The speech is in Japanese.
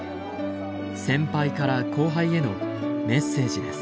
先輩から後輩へのメッセージです。